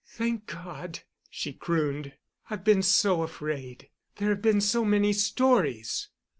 "Thank God," she crooned. "I've been so afraid. There have been so many stories."